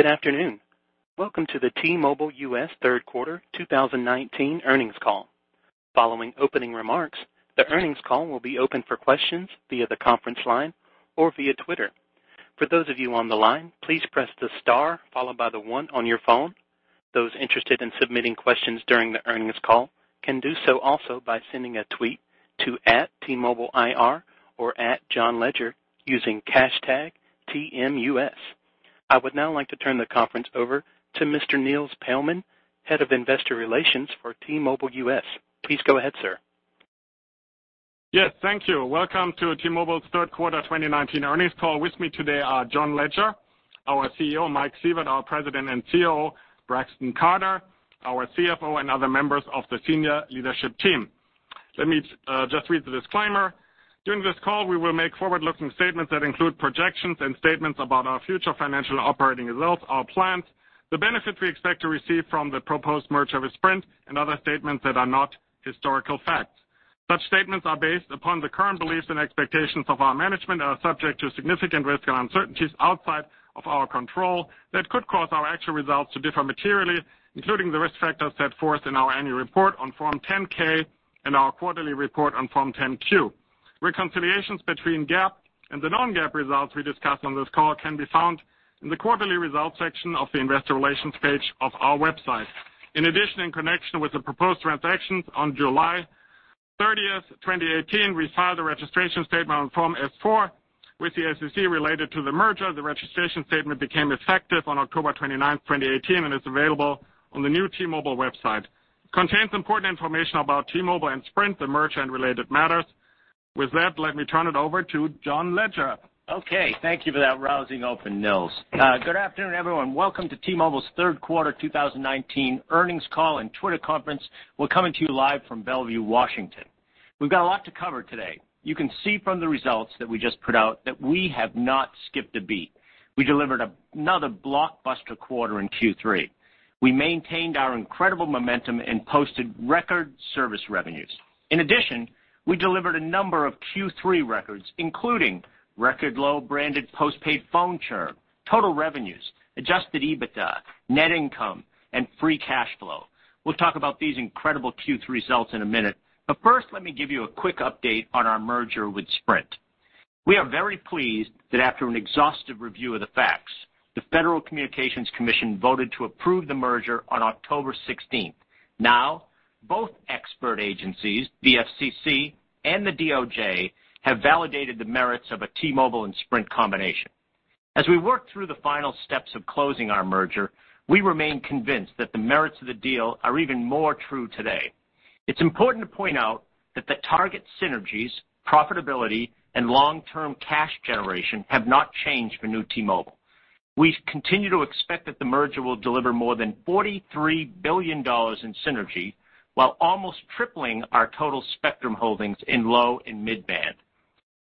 Good afternoon. Welcome to the T-Mobile US third quarter 2019 earnings call. Following opening remarks, the earnings call will be open for questions via the conference line or via Twitter. For those of you on the line, please press the star followed by the one on your phone. Those interested in submitting questions during the earnings call can do so also by sending a tweet to @TMobileIR or @JohnLegere using #TMUS. I would now like to turn the conference over to Mr. Nils Paellmann, Head of Investor Relations for T-Mobile US. Please go ahead, sir. Yes. Thank you. Welcome to T-Mobile's third quarter 2019 earnings call. With me today are John Legere, our CEO, Mike Sievert, our President and COO, Braxton Carter, our CFO, and other members of the senior leadership team. Let me just read the disclaimer. During this call, we will make forward-looking statements that include projections and statements about our future financial and operating results, our plans, the benefit we expect to receive from the proposed merger with Sprint, and other statements that are not historical facts. Such statements are based upon the current beliefs and expectations of our management and are subject to significant risks and uncertainties outside of our control that could cause our actual results to differ materially, including the risk factors set forth in our annual report on Form 10-K and our quarterly report on Form 10-Q. Reconciliations between GAAP and the non-GAAP results we discuss on this call can be found in the Quarterly Results section of the Investor Relations page of our website. In addition, in connection with the proposed transactions, on July 30th, 2018, we filed a registration statement on Form S-4 with the SEC related to the merger. The registration statement became effective on October 29th, 2018, and is available on the new T-Mobile website. It contains important information about T-Mobile and Sprint, the merger, and related matters. With that, let me turn it over to John Legere. Okay. Thank you for that rousing open, Nils. Good afternoon, everyone. Welcome to T-Mobile's third quarter 2019 earnings call and Twitter conference. We're coming to you live from Bellevue, Washington. We've got a lot to cover today. You can see from the results that we just put out that we have not skipped a beat. We delivered another blockbuster quarter in Q3. We maintained our incredible momentum and posted record service revenues. In addition, we delivered a number of Q3 records, including record low branded postpaid phone churn, total revenues, adjusted EBITDA, net income, and free cash flow. We'll talk about these incredible Q3 results in a minute. First, let me give you a quick update on our merger with Sprint. We are very pleased that after an exhaustive review of the facts, the Federal Communications Commission voted to approve the merger on October 16th. Both expert agencies, the FCC and the DOJ, have validated the merits of a T-Mobile and Sprint combination. As we work through the final steps of closing our merger, we remain convinced that the merits of the deal are even more true today. It's important to point out that the target synergies, profitability, and long-term cash generation have not changed for new T-Mobile. We continue to expect that the merger will deliver more than $43 billion in synergy while almost tripling our total spectrum holdings in low and mid-band.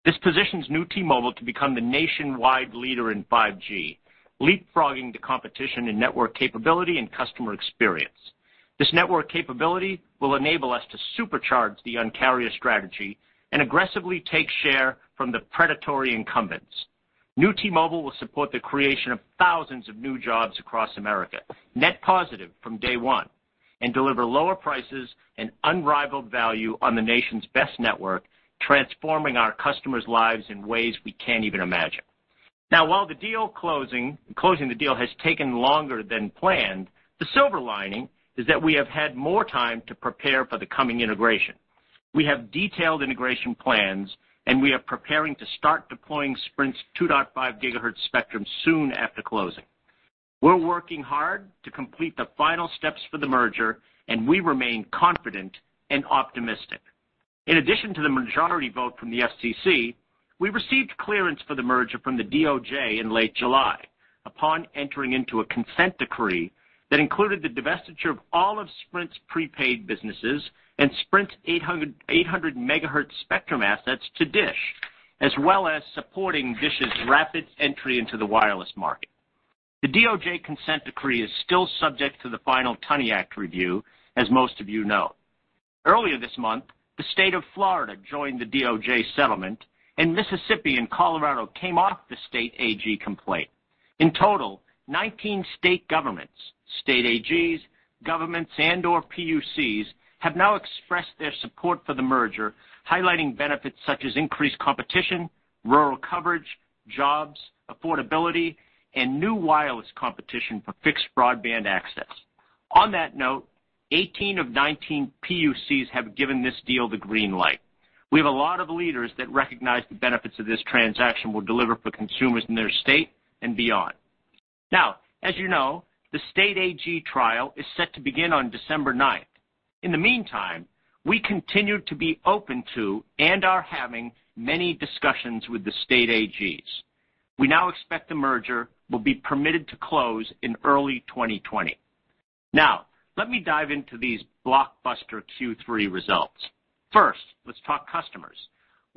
This positions new T-Mobile to become the nationwide leader in 5G, leapfrogging the competition in network capability and customer experience. This network capability will enable us to supercharge the Un-carrier strategy and aggressively take share from the predatory incumbents. New T-Mobile will support the creation of thousands of new jobs across America, net positive from day one, and deliver lower prices and unrivaled value on the nation's best network, transforming our customers' lives in ways we can't even imagine. While closing the deal has taken longer than planned, the silver lining is that we have had more time to prepare for the coming integration. We have detailed integration plans. We are preparing to start deploying Sprint's 2.5 GHz spectrum soon after closing. We're working hard to complete the final steps for the merger. We remain confident and optimistic. In addition to the majority vote from the FCC, we received clearance for the merger from the DOJ in late July upon entering into a consent decree that included the divestiture of all of Sprint's prepaid businesses and Sprint's 800 megahertz spectrum assets to Dish, as well as supporting Dish's rapid entry into the wireless market. The DOJ consent decree is still subject to the final Tunney Act review, as most of you know. Earlier this month, the State of Florida joined the DOJ settlement, and Mississippi and Colorado came off the state AG complaint. In total, 19 state governments, state AGs, governments, and/or PUCs have now expressed their support for the merger, highlighting benefits such as increased competition, rural coverage, jobs, affordability, and new wireless competition for fixed broadband access. On that note, 18 of 19 PUCs have given this deal the green light. We have a lot of leaders that recognize the benefits of this transaction will deliver for consumers in their state and beyond. As you know, the state AG trial is set to begin on December 9th. In the meantime, we continue to be open to and are having many discussions with the state AGs. We now expect the merger will be permitted to close in early 2020. Let me dive into these blockbuster Q3 results. First, let's talk customers.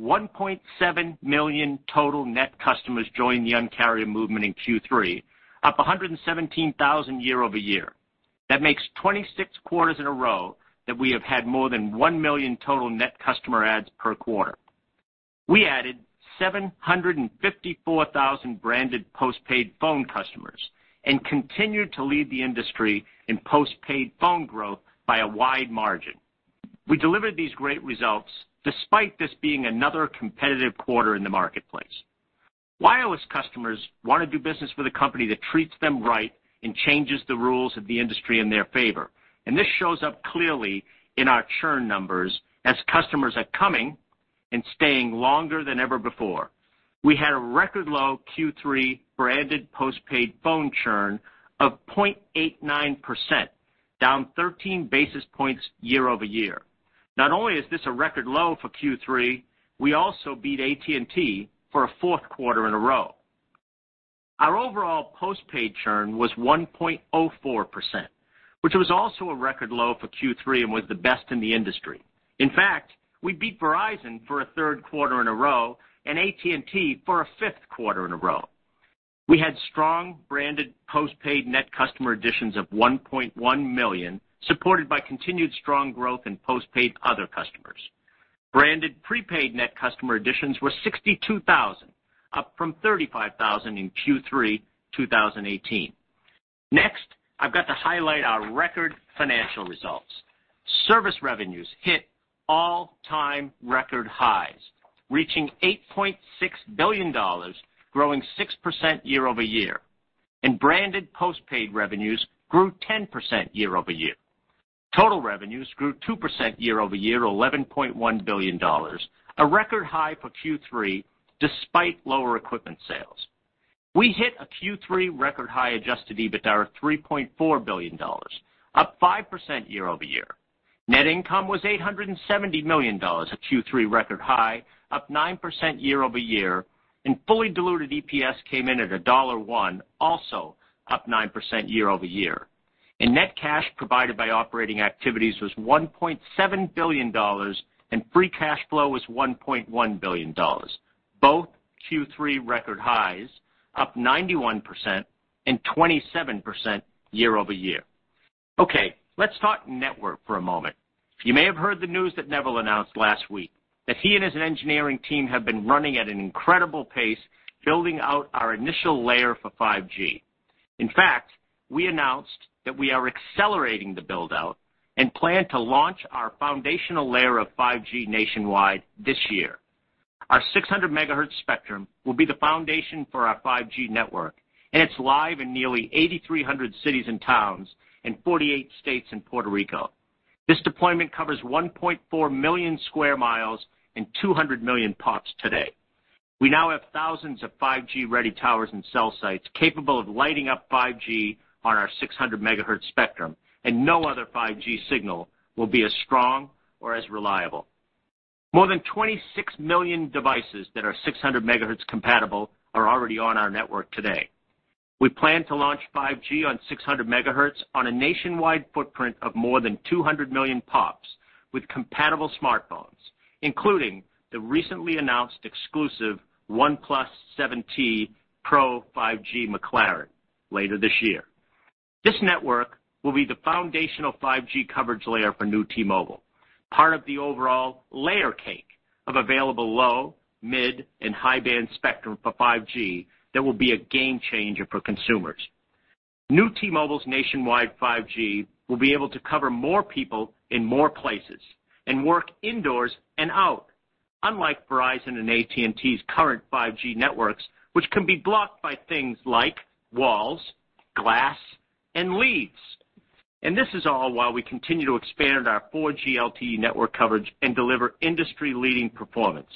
1.7 million total net customers joined the Un-carrier movement in Q3, up 117,000 year-over-year. That makes 26 quarters in a row that we have had more than 1 million total net customer adds per quarter. We added 754,000 branded postpaid phone customers and continued to lead the industry in postpaid phone growth by a wide margin. We delivered these great results despite this being another competitive quarter in the marketplace. Wireless customers want to do business with a company that treats them right and changes the rules of the industry in their favor. This shows up clearly in our churn numbers as customers are coming and staying longer than ever before. We had a record low Q3 branded postpaid phone churn of 0.89%, down 13 basis points year-over-year. Not only is this a record low for Q3, we also beat AT&T for a fourth quarter in a row. Our overall postpaid churn was 1.04%, which was also a record low for Q3 and was the best in the industry. We beat Verizon for a third quarter in a row and AT&T for a fifth quarter in a row. We had strong branded postpaid net customer additions of 1.1 million, supported by continued strong growth in postpaid other customers. Branded prepaid net customer additions were 62,000, up from 35,000 in Q3 2018. Next, I've got to highlight our record financial results. Service revenues hit all-time record highs, reaching $8.6 billion, growing 6% year-over-year. Branded postpaid revenues grew 10% year-over-year. Total revenues grew 2% year-over-year to $11.1 billion, a record high for Q3, despite lower equipment sales. We hit a Q3 record high adjusted EBITDA of $3.4 billion, up 5% year-over-year. Net income was $870 million, a Q3 record high, up 9% year-over-year, and fully diluted EPS came in at $1.01, also up 9% year-over-year. Net cash provided by operating activities was $1.7 billion, and free cash flow was $1.1 billion, both Q3 record highs, up 91% and 27% year-over-year. Okay, let's talk network for a moment. You may have heard the news that Neville announced last week, that he and his engineering team have been running at an incredible pace, building out our initial layer for 5G. In fact, we announced that we are accelerating the build-out and plan to launch our foundational layer of 5G nationwide this year. Our 600 MHz spectrum will be the foundation for our 5G network, and it's live in nearly 8,300 cities and towns in 48 states and Puerto Rico. This deployment covers 1.4 million square miles and 200 million pops today. We now have thousands of 5G-ready towers and cell sites capable of lighting up 5G on our 600 MHz spectrum, and no other 5G signal will be as strong or as reliable. More than 26 million devices that are 600 MHz-compatible are already on our network today. We plan to launch 5G on 600 MHz on a nationwide footprint of more than 200 million pops with compatible smartphones, including the recently announced exclusive OnePlus 7T Pro 5G McLaren later this year. This network will be the foundational 5G coverage layer for new T-Mobile, part of the overall layer cake of available low, mid, and high-band spectrum for 5G that will be a game changer for consumers. New T-Mobile's nationwide 5G will be able to cover more people in more places and work indoors and out, unlike Verizon and AT&T's current 5G networks, which can be blocked by things like walls, glass, and leaves. This is all while we continue to expand our 4G LTE network coverage and deliver industry-leading performance.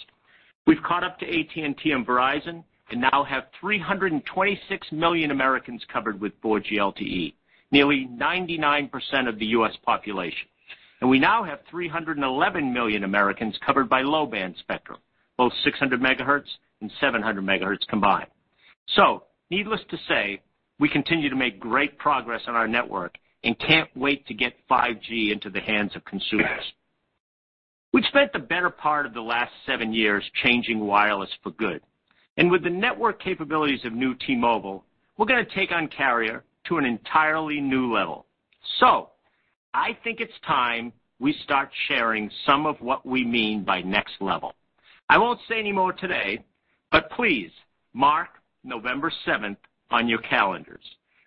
We've caught up to AT&T and Verizon and now have 326 million Americans covered with 4G LTE, nearly 99% of the U.S. population. We now have 311 million Americans covered by low-band spectrum, both 600 MHz and 700 MHz combined. Needless to say, we continue to make great progress on our network and can't wait to get 5G into the hands of consumers. We've spent the better part of the last seven years changing wireless for good, and with the network capabilities of new T-Mobile, we're going to take Un-carrier to an entirely new level. I think it's time we start sharing some of what we mean by next level. I won't say any more today, but please mark November 7th on your calendars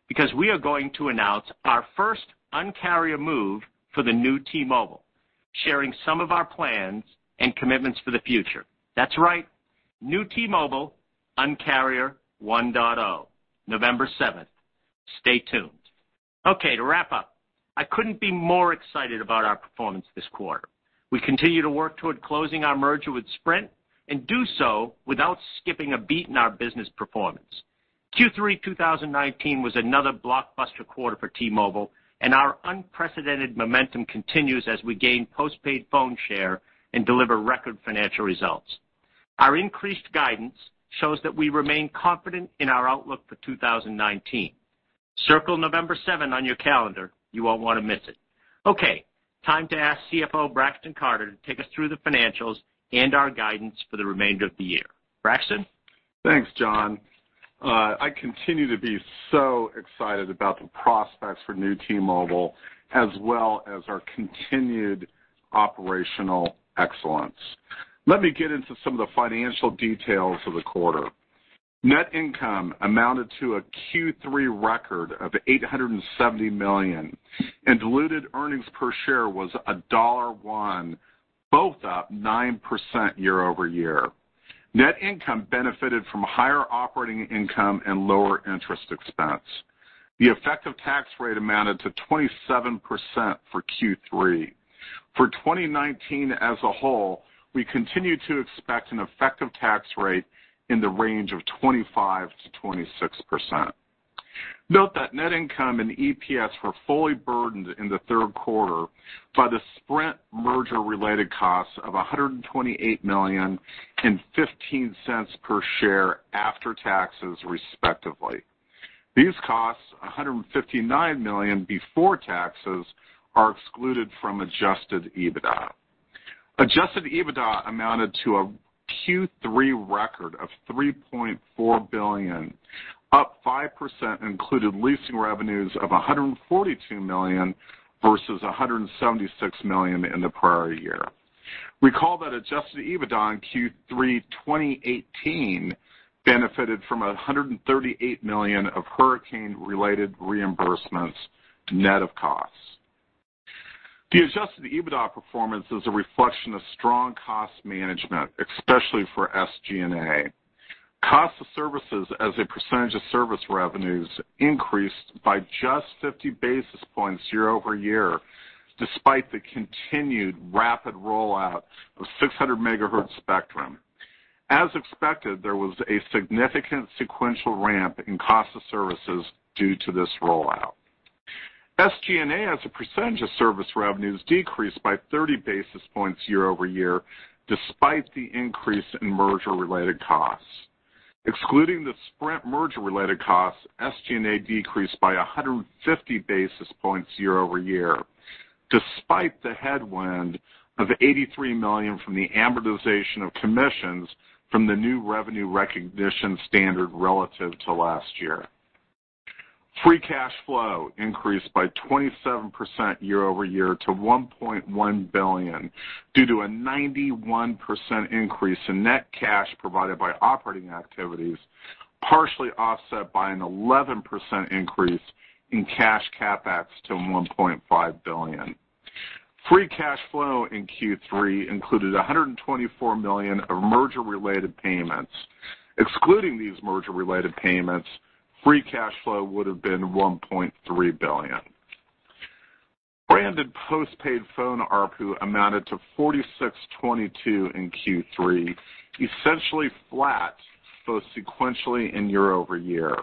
because we are going to announce our first Un-carrier move for the new T-Mobile, sharing some of our plans and commitments for the future. That's right, new T-Mobile, Un-carrier 1.0, November 7th. Stay tuned. Okay, to wrap up, I couldn't be more excited about our performance this quarter. We continue to work toward closing our merger with Sprint and do so without skipping a beat in our business performance. Q3 2019 was another blockbuster quarter for T-Mobile, and our unprecedented momentum continues as we gain postpaid phone share and deliver record financial results. Our increased guidance shows that we remain confident in our outlook for 2019. Circle November 7 on your calendar. You won't want to miss it. Okay, time to ask CFO Braxton Carter to take us through the financials and our guidance for the remainder of the year. Braxton? Thanks, John. I continue to be so excited about the prospects for new T-Mobile, as well as our continued operational excellence. Let me get into some of the financial details of the quarter. Net income amounted to a Q3 record of $870 million, and diluted earnings per share was $1.01, both up 9% year-over-year. Net income benefited from higher operating income and lower interest expense. The effective tax rate amounted to 27% for Q3. For 2019 as a whole, we continue to expect an effective tax rate in the range of 25%-26%. Note that net income and EPS were fully burdened in the third quarter by the Sprint merger-related costs of $128 million and $0.15 per share after taxes, respectively. These costs, $159 million before taxes, are excluded from adjusted EBITDA. Adjusted EBITDA amounted to a Q3 record of $3.4 billion, up 5%, included leasing revenues of $142 million versus $176 million in the prior year. Recall that Adjusted EBITDA in Q3 2018 benefited from $138 million of hurricane-related reimbursements, net of costs. The Adjusted EBITDA performance is a reflection of strong cost management, especially for SG&A. Cost of services as a percentage of service revenues increased by just 50 basis points year-over-year, despite the continued rapid rollout of 600 MHz spectrum. As expected, there was a significant sequential ramp in cost of services due to this rollout. SG&A as a percentage of service revenues decreased by 30 basis points year-over-year, despite the increase in merger-related costs. Excluding the Sprint merger-related costs, SG&A decreased by 150 basis points year-over-year, despite the headwind of $83 million from the amortization of commissions from the new revenue recognition standard relative to last year. Free cash flow increased by 27% year-over-year to $1.1 billion, due to a 91% increase in net cash provided by operating activities, partially offset by an 11% increase in cash CapEx to $1.5 billion. Free cash flow in Q3 included $124 million of merger-related payments. Excluding these merger-related payments, free cash flow would have been $1.3 billion. Branded postpaid phone ARPU amounted to $46.22 in Q3, essentially flat both sequentially and year-over-year.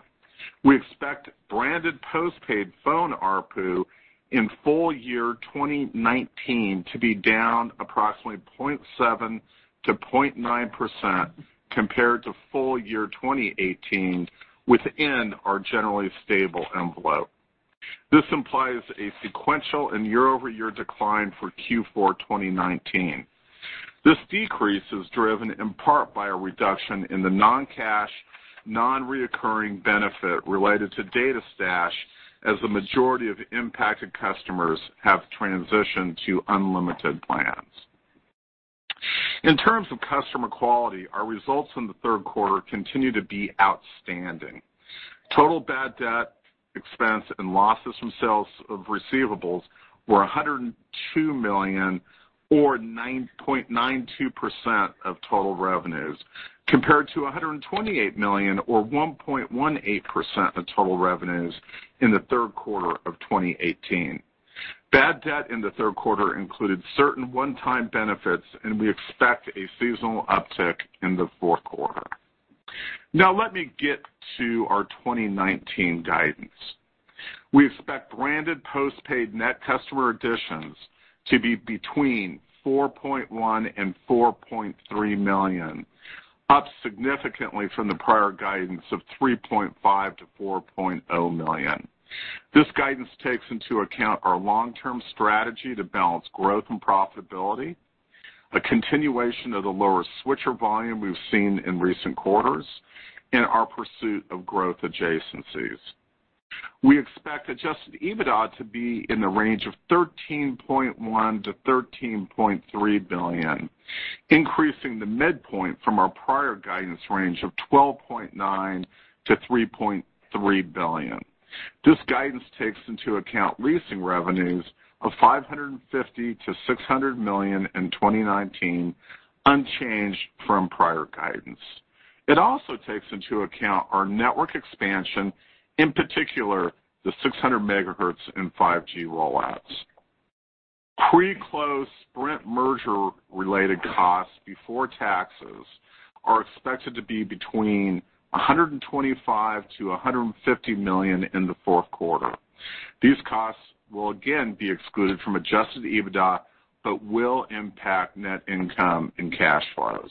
We expect branded postpaid phone ARPU in full year 2019 to be down approximately 0.7%-0.9% compared to full year 2018 within our generally stable envelope. This implies a sequential and year-over-year decline for Q4 2019. This decrease is driven in part by a reduction in the non-cash, non-reoccurring benefit related to Data Stash, as the majority of impacted customers have transitioned to unlimited plans. In terms of customer quality, our results from the third quarter continue to be outstanding. Total bad debt, expense, and losses from sales of receivables were $102 million, or 9.92% of total revenues, compared to $128 million or 1.18% of total revenues in the third quarter of 2018. Bad debt in the third quarter included certain one-time benefits, and we expect a seasonal uptick in the fourth quarter. Now let me get to our 2019 guidance. We expect branded postpaid net customer additions to be between 4.1 million and 4.3 million, up significantly from the prior guidance of 3.5 million-4.0 million. This guidance takes into account our long-term strategy to balance growth and profitability, a continuation of the lower switcher volume we've seen in recent quarters, and our pursuit of growth adjacencies. We expect adjusted EBITDA to be in the range of $13.1 billion-$13.3 billion, increasing the midpoint from our prior guidance range of $12.9 billion-$3.3 billion. This guidance takes into account leasing revenues of $550 million-$600 million in 2019, unchanged from prior guidance. It also takes into account our network expansion, in particular, the 600 MHz and 5G rollouts. Pre-close Sprint merger-related costs before taxes are expected to be between $125 million-$150 million in the fourth quarter. These costs will again be excluded from adjusted EBITDA but will impact net income and cash flows.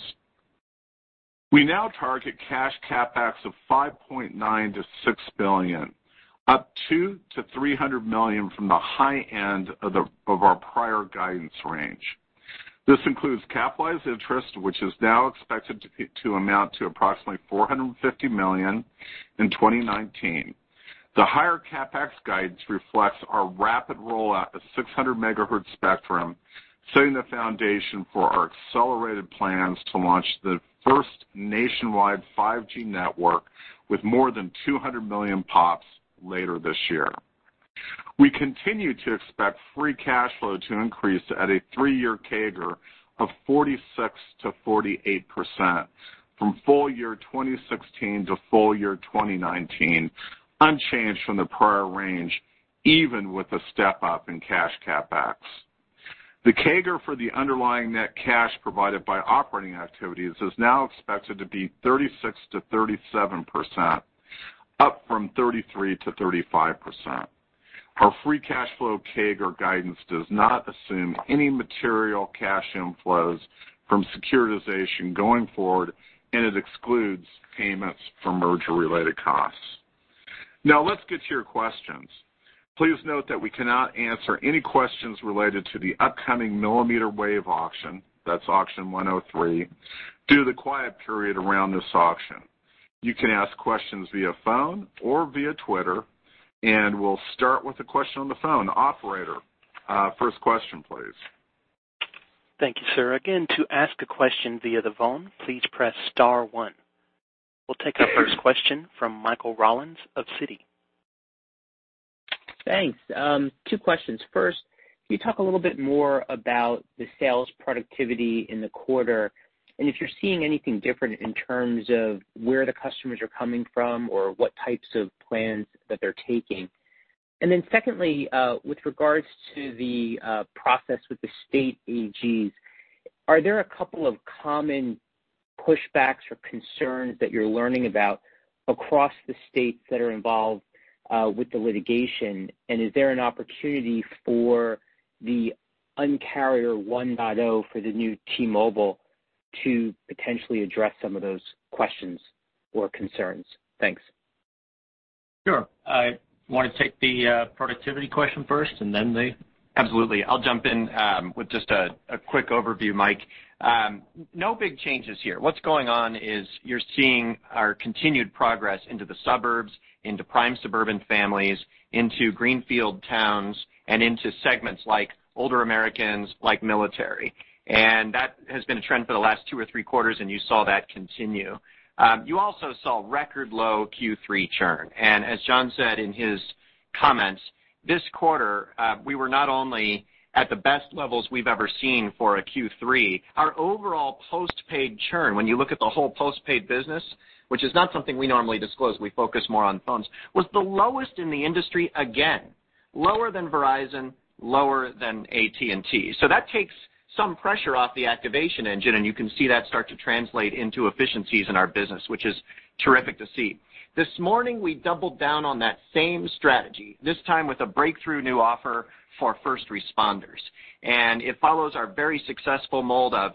We now target cash CapEx of $5.9 billion-$6 billion, up $200 million-$300 million from the high end of our prior guidance range. This includes capitalized interest, which is now expected to amount to approximately $450 million in 2019. The higher CapEx guidance reflects our rapid rollout of 600 MHz spectrum, setting the foundation for our accelerated plans to launch the first nationwide 5G network with more than 200 million pops later this year. We continue to expect free cash flow to increase at a three-year CAGR of 46%-48% from full year 2016 to full year 2019, unchanged from the prior range, even with a step-up in cash CapEx. The CAGR for the underlying net cash provided by operating activities is now expected to be 36%-37%, up from 33%-35%. Our free cash flow CAGR guidance does not assume any material cash inflows from securitization going forward, and it excludes payments for merger-related costs. Now let's get to your questions. Please note that we cannot answer any questions related to the upcoming millimeter wave auction, that's Auction 103, due to the quiet period around this auction. You can ask questions via phone or via Twitter, and we'll start with a question on the phone. Operator, first question, please. Thank you, sir. Again, to ask a question via the phone, please press star one. We'll take our first question from Michael Rollins of Citi. Thanks. Two questions. First, can you talk a little bit more about the sales productivity in the quarter, and if you're seeing anything different in terms of where the customers are coming from or what types of plans that they're taking? Secondly, with regards to the process with the state AGs, are there a couple of common pushbacks or concerns that you're learning about across the states that are involved with the litigation, and is there an opportunity for the Un-carrier 1.0 for the new T-Mobile to potentially address some of those questions or concerns? Thanks. Sure. I want to take the productivity question first. Absolutely. I'll jump in with just a quick overview, Mike. No big changes here. What's going on is you're seeing our continued progress into the suburbs, into prime suburban families, into greenfield towns, and into segments like older Americans, like military. That has been a trend for the last two or three quarters, and you saw that continue. You also saw record low Q3 churn. As John said in his comments, this quarter, we were not only at the best levels we've ever seen for a Q3. Our overall postpaid churn, when you look at the whole postpaid business, which is not something we normally disclose, we focus more on phones, was the lowest in the industry again. Lower than Verizon, lower than AT&T. That takes some pressure off the activation engine, and you can see that start to translate into efficiencies in our business, which is terrific to see. This morning, we doubled down on that same strategy, this time with a breakthrough new offer for first responders. It follows our very successful mold of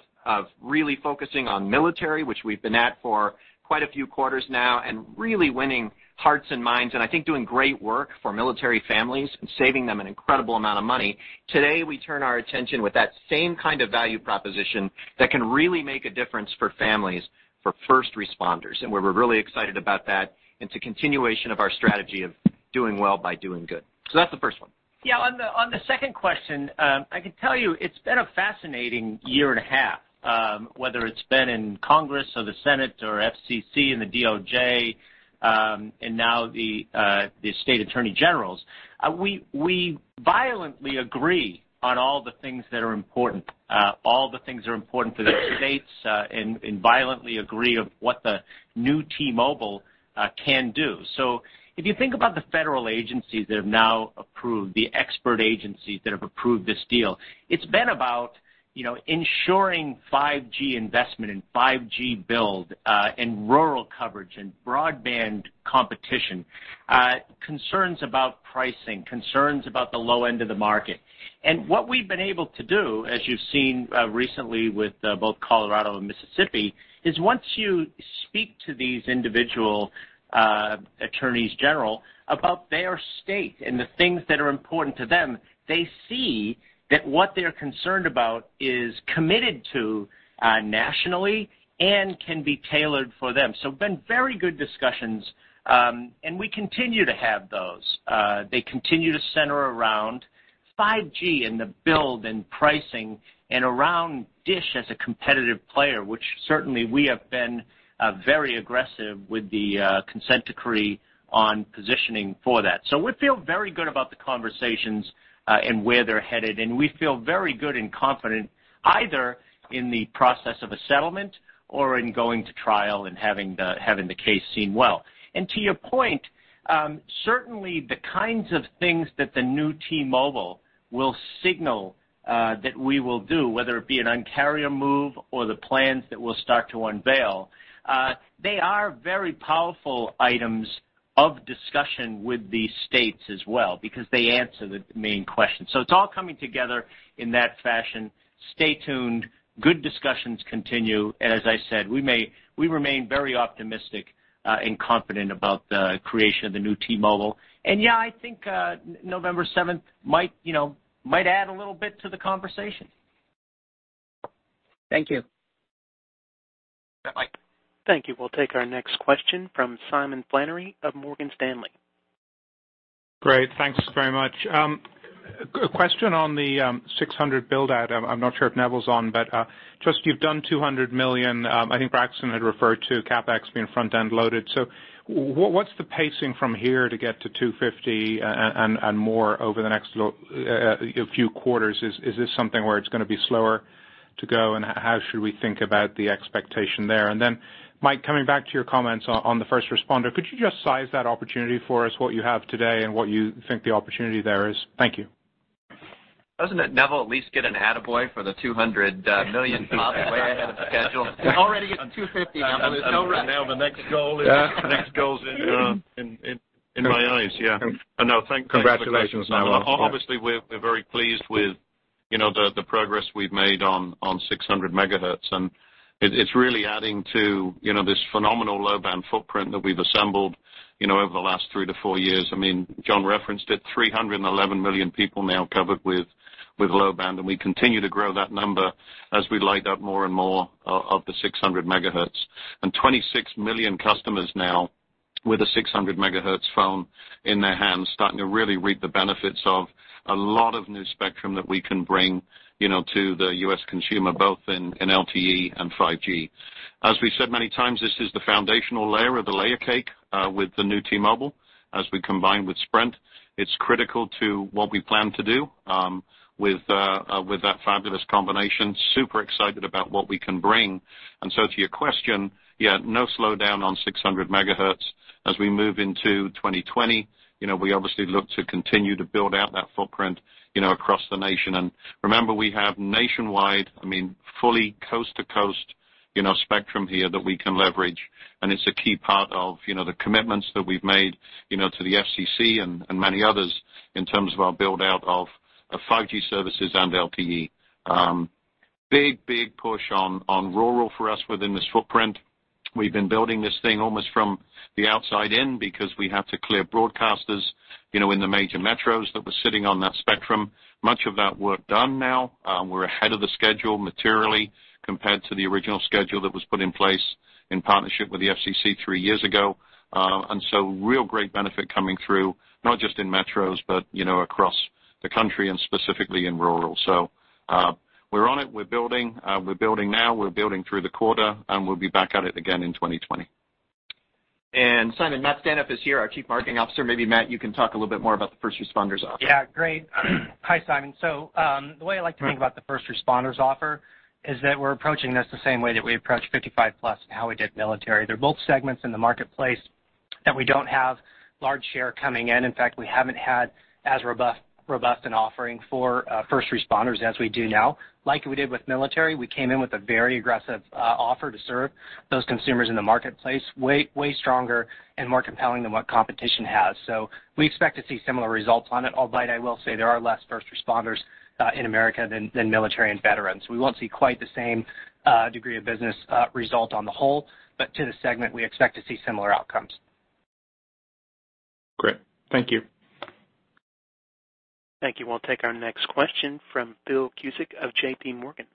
really focusing on military, which we've been at for quite a few quarters now, and really winning hearts and minds, and I think doing great work for military families and saving them an incredible amount of money. Today, we turn our attention with that same kind of value proposition that can really make a difference for families, for first responders. We're really excited about that. It's a continuation of our strategy of doing well by doing good. That's the first one. Yeah, on the second question, I can tell you it's been a fascinating year and a half, whether it's been in Congress or the Senate or FCC and the DOJ, and now the state attorney generals. We violently agree on all the things that are important. All the things that are important for the states and violently agree of what the new T-Mobile can do. If you think about the federal agencies that have now approved, the expert agencies that have approved this deal, it's been about ensuring 5G investment and 5G build in rural coverage and broadband competition, concerns about pricing, concerns about the low end of the market. What we've been able to do, as you've seen recently with both Colorado and Mississippi, is once you speak to these individual attorneys general about their state and the things that are important to them, they see that what they're concerned about is committed to nationally and can be tailored for them. Been very good discussions, and we continue to have those. They continue to center around 5G and the build and pricing and around Dish as a competitive player, which certainly we have been very aggressive with the consent decree on positioning for that. We feel very good about the conversations and where they're headed, and we feel very good and confident either in the process of a settlement or in going to trial and having the case seen well. To your point, certainly the kinds of things that the new T-Mobile will signal that we will do, whether it be an Un-carrier move or the plans that we'll start to unveil, they are very powerful items of discussion with the states as well because they answer the main question. It's all coming together in that fashion. Stay tuned. Good discussions continue. As I said, we remain very optimistic and confident about the creation of the new T-Mobile. Yeah, I think November 7th might add a little bit to the conversation. Thank you. Mike? Thank you. We'll take our next question from Simon Flannery of Morgan Stanley. Great. Thanks very much. A question on the 600 build out. I'm not sure if Neville's on, just you've done $200 million. I think Braxton had referred to CapEx being front-end loaded. What's the pacing from here to get to 250 and more over the next few quarters? Is this something where it's going to be slower to go, how should we think about the expectation there? Mike, coming back to your comments on the first responder, could you just size that opportunity for us, what you have today and what you think the opportunity there is? Thank you. Doesn't Neville at least get an attaboy for the 200 million miles way ahead of schedule? He's already at 250, Neville. Now the next goal is in my eyes. Yeah. No, thank you. Congratulations, Neville. Obviously, we're very pleased with the progress we've made on 600 MHz. It's really adding to this phenomenal low-band footprint that we've assembled over the last three to four years. John referenced it, 311 million people now covered with low-band. We continue to grow that number as we light up more and more of the 600 MHz. 26 million customers now with a 600 MHz phone in their hands, starting to really reap the benefits of a lot of new spectrum that we can bring to the U.S. consumer, both in LTE and 5G. As we said many times, this is the foundational layer of the layer cake with the new T-Mobile. As we combine with Sprint, it's critical to what we plan to do with that fabulous combination. Super excited about what we can bring. To your question, yeah, no slowdown on 600 MHz. As we move into 2020, we obviously look to continue to build out that footprint across the nation. Remember, we have nationwide, fully coast to coast spectrum here that we can leverage, and it's a key part of the commitments that we've made to the FCC and many others in terms of our build-out of 5G services and LTE. Big push on rural for us within this footprint. We've been building this thing almost from the outside in because we have to clear broadcasters in the major metros that were sitting on that spectrum. Much of that work done now. We're ahead of the schedule materially compared to the original schedule that was put in place in partnership with the FCC three years ago. Real great benefit coming through, not just in metros, but across the country and specifically in rural. We're on it. We're building. We're building now, we're building through the quarter, and we'll be back at it again in 2020. Simon, Matt Staneff is here, our Chief Marketing Officer. Maybe Matt, you can talk a little bit more about the first responders offer. Yeah, great. Hi, Simon. The way I like to think about the first responders offer is that we're approaching this the same way that we approached 55 plus and how we did military. They're both segments in the marketplace that we don't have large share coming in. In fact, we haven't had as robust an offering for first responders as we do now. Like we did with military, we came in with a very aggressive offer to serve those consumers in the marketplace way stronger and more compelling than what competition has. We expect to see similar results on it, albeit I will say there are less first responders in America than military and veterans. We won't see quite the same degree of business result on the whole, but to the segment, we expect to see similar outcomes. Great. Thank you. Thank you. We'll take our next question from Phil Cusick of JPMorgan.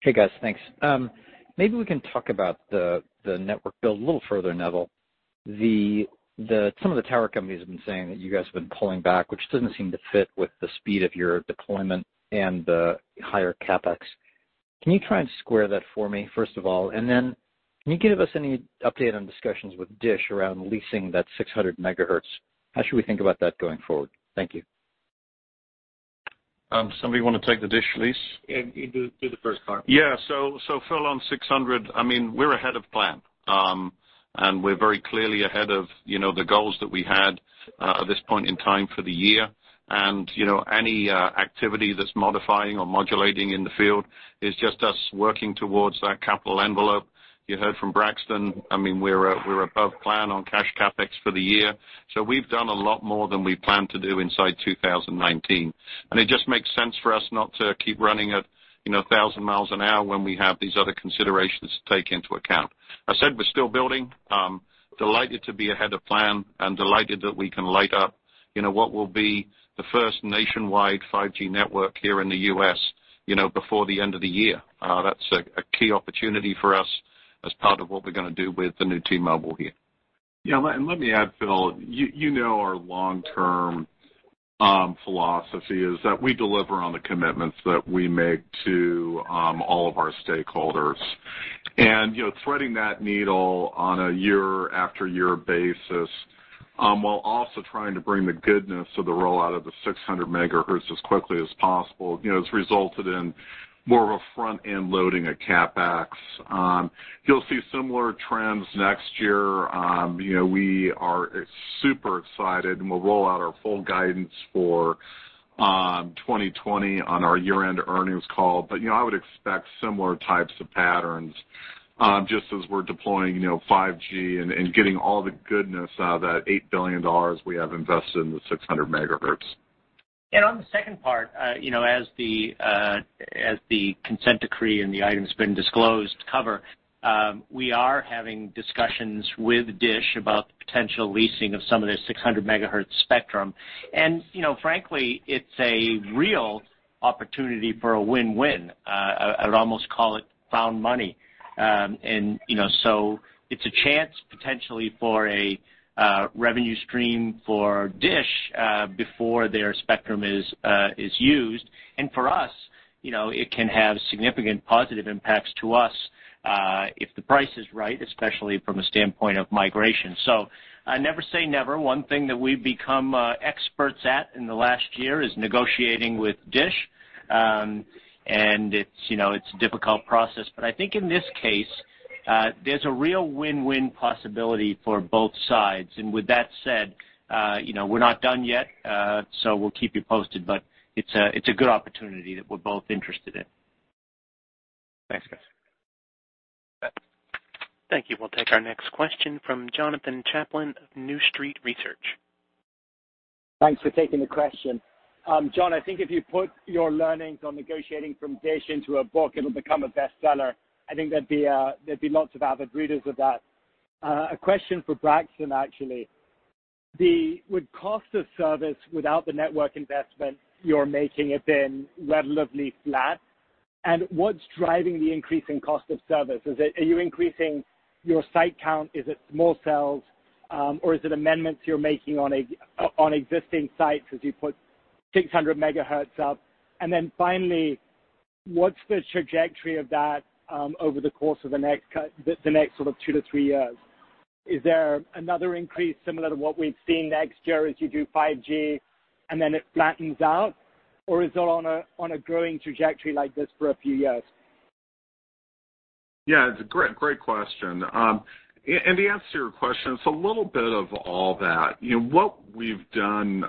Hey, guys. Thanks. Maybe we can talk about the network build a little further, Neville. Some of the tower companies have been saying that you guys have been pulling back, which doesn't seem to fit with the speed of your deployment and the higher CapEx. Can you try and square that for me, first of all? Can you give us any update on discussions with Dish around leasing that 600 MHz? How should we think about that going forward? Thank you. Somebody want to take the Dish lease? You do the first part. Yeah. Phil, on 600, we're ahead of plan. We're very clearly ahead of the goals that we had at this point in time for the year. Any activity that's modifying or modulating in the field is just us working towards that capital envelope. You heard from Braxton, we're above plan on cash CapEx for the year. We've done a lot more than we planned to do inside 2019, and it just makes sense for us not to keep running at 1,000 miles an hour when we have these other considerations to take into account. I said we're still building. Delighted to be ahead of plan and delighted that we can light up what will be the first nationwide 5G network here in the U.S. before the end of the year. That's a key opportunity for us as part of what we're going to do with the new T-Mobile here. Yeah, let me add, Phil, you know our long-term philosophy is that we deliver on the commitments that we make to all of our stakeholders. Threading that needle on a year-after-year basis, while also trying to bring the goodness of the rollout of the 600 MHz as quickly as possible, has resulted in more of a front-end loading of CapEx. You'll see similar trends next year. We are super excited, and we'll roll out our full guidance for 2020 on our year-end earnings call. I would expect similar types of patterns, just as we're deploying 5G and getting all the goodness out of that $8 billion we have invested in the 600 MHz. On the second part, as the consent decree and the items been disclosed cover, we are having discussions with Dish about the potential leasing of some of their 600 MHz spectrum. Frankly, it's a real opportunity for a win-win. I would almost call it found money. It's a chance potentially for a revenue stream for Dish before their spectrum is used. For us, it can have significant positive impacts to us, if the price is right, especially from a standpoint of migration. Never say never. One thing that we've become experts at in the last year is negotiating with Dish. It's a difficult process, but I think in this case, there's a real win-win possibility for both sides. With that said, we're not done yet, so we'll keep you posted, but it's a good opportunity that we're both interested in. Thanks, guys. Thank you. We'll take our next question from Jonathan Chaplin of New Street Research. Thanks for taking the question. John, I think if you put your learnings on negotiating from Dish into a book, it'll become a bestseller. I think there'd be lots of avid readers of that. A question for Braxton, actually. With cost of service without the network investment you're making have been relatively flat. What's driving the increase in cost of service? Are you increasing your site count? Is it small cells? Is it amendments you're making on existing sites as you put 600 MHz up? Finally, what's the trajectory of that over the course of the next sort of two to three years? Is there another increase similar to what we've seen next year as you do 5G, and then it flattens out, or is it on a growing trajectory like this for a few years? Yeah, it's a great question. To answer your question, it's a little bit of all that. What we've done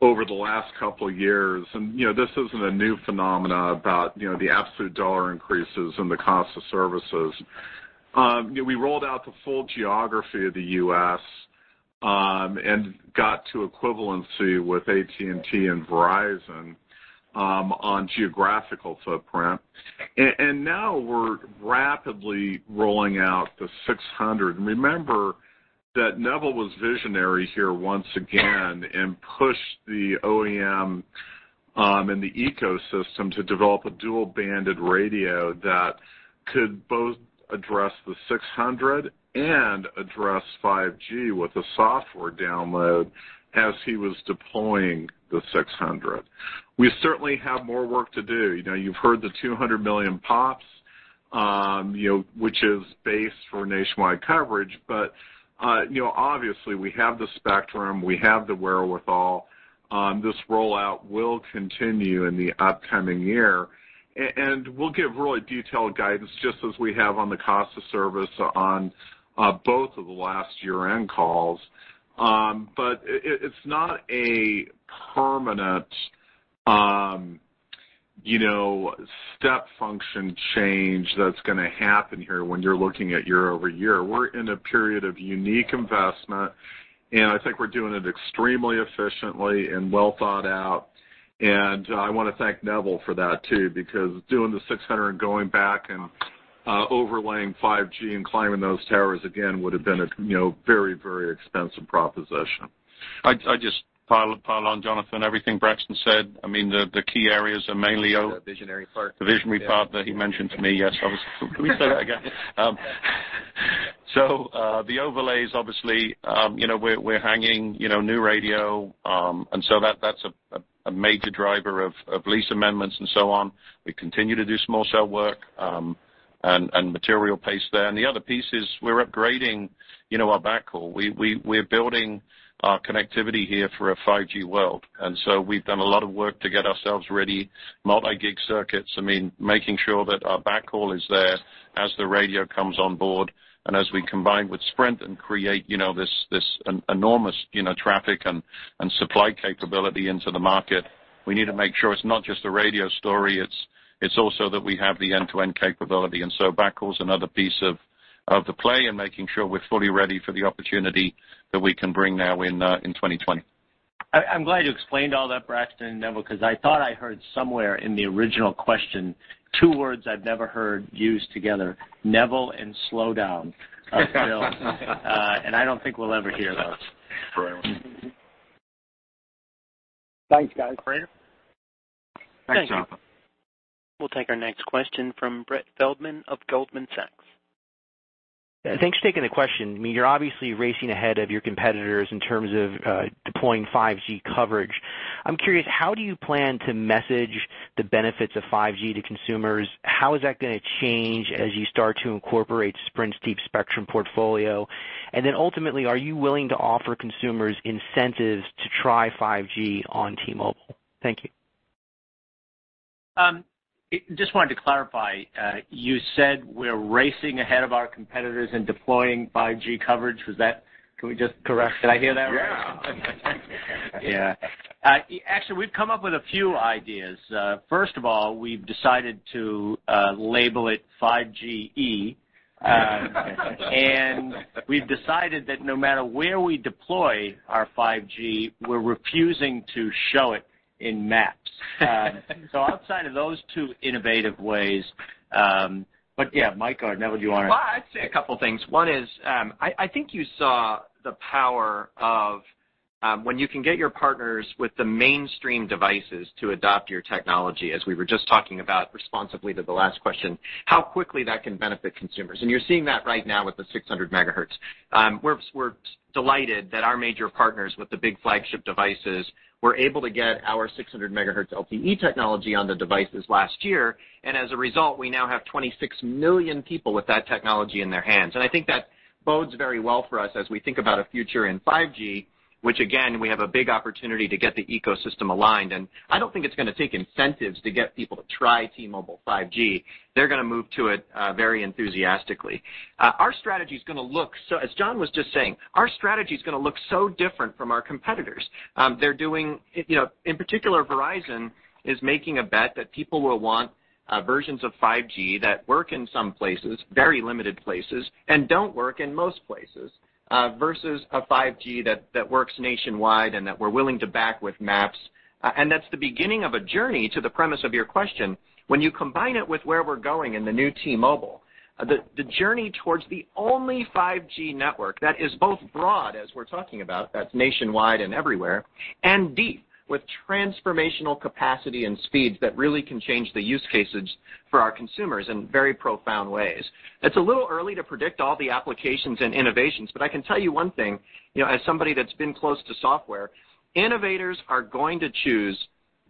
over the last couple of years, and this isn't a new phenomena about the absolute dollar increases and the cost of services. We rolled out the full geography of the U.S., and got to equivalency with AT&T and Verizon on geographical footprint. Now we're rapidly rolling out the 600. Remember that Neville was visionary here once again and pushed the OEM, and the ecosystem to develop a dual-banded radio that could both address the 600 and address 5G with a software download as he was deploying the 600. We certainly have more work to do. You've heard the 200 million pops, which is base for nationwide coverage. Obviously we have the spectrum, we have the wherewithal. This rollout will continue in the upcoming year. We'll give really detailed guidance just as we have on the cost of service on both of the last year-end calls. It's not a permanent step function change that's going to happen here when you're looking at year over year. We're in a period of unique investment, and I think we're doing it extremely efficiently and well thought out. I want to thank Neville for that too, because doing the 600 going back and overlaying 5G and climbing those towers again would have been a very expensive proposition. I just pile on Jonathan, everything Braxton said. The key areas are mainly. The visionary part the visionary part that he mentioned to me. Yes. Can we say that again? The overlays, obviously, we're hanging new radio, that's a major driver of lease amendments and so on. We continue to do small cell work, material pace there. The other piece is we're upgrading our backhaul. We're building our connectivity here for a 5G world. We've done a lot of work to get ourselves ready, multi-gig circuits, making sure that our backhaul is there as the radio comes on board. As we combine with Sprint and create this enormous traffic and supply capability into the market, we need to make sure it's not just a radio story, it's also that we have the end-to-end capability. Backhaul's another piece of the play and making sure we're fully ready for the opportunity that we can bring now in 2020. I'm glad you explained all that, Braxton and Neville, because I thought I heard somewhere in the original question, two words I've never heard used together, Neville and slow down. I don't think we'll ever hear those. Thanks, guys. Thanks, Jonathan. We'll take our next question from Brett Feldman of Goldman Sachs. Thanks for taking the question. You're obviously racing ahead of your competitors in terms of deploying 5G coverage. I'm curious, how do you plan to message the benefits of 5G to consumers? How is that going to change as you start to incorporate Sprint's deep spectrum portfolio? Ultimately, are you willing to offer consumers incentives to try 5G on T-Mobile? Thank you. Just wanted to clarify. You said we're racing ahead of our competitors and deploying 5G coverage. Can we just correct? Did I hear that right? Yeah. Yeah. Actually, we've come up with a few ideas. First of all, we've decided to label it 5G E. We've decided that no matter where we deploy our 5G, we're refusing to show it in maps. Outside of those two innovative ways, yeah, Mike or Neville, do you want to. Well, I'd say a couple of things. One is, I think you saw the power of when you can get your partners with the mainstream devices to adopt your technology, as we were just talking about responsively to the last question, how quickly that can benefit consumers. You're seeing that right now with the 600 MHz. We're delighted that our major partners with the big flagship devices were able to get our 600 MHz LTE technology on the devices last year. As a result, we now have 26 million people with that technology in their hands. I think that bodes very well for us as we think about a future in 5G, which again, we have a big opportunity to get the ecosystem aligned. I don't think it's going to take incentives to get people to try T-Mobile 5G. They're going to move to it very enthusiastically. Our strategy is going to look, as John was just saying, our strategy is going to look so different from our competitors. In particular, Verizon is making a bet that people will want versions of 5G that work in some places, very limited places, and don't work in most places, versus a 5G that works nationwide and that we're willing to back with maps. That's the beginning of a journey to the premise of your question. When you combine it with where we're going in the new T-Mobile, the journey towards the only 5G network that is both broad, as we're talking about, that's nationwide and everywhere, and deep with transformational capacity and speeds that really can change the use cases for our consumers in very profound ways. It's a little early to predict all the applications and innovations, but I can tell you one thing, as somebody that's been close to software, innovators are going to choose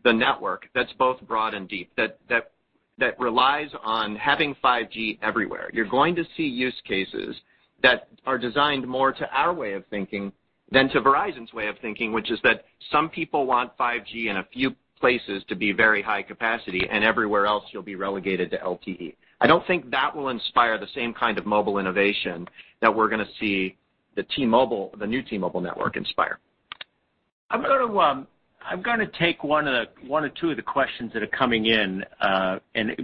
the network that's both broad and deep, that relies on having 5G everywhere. You're going to see use cases that are designed more to our way of thinking than to Verizon's way of thinking, which is that some people want 5G in a few places to be very high capacity, and everywhere else, you'll be relegated to LTE. I don't think that will inspire the same kind of mobile innovation that we're going to see the new T-Mobile network inspire. I'm going to take one or two of the questions that are coming in,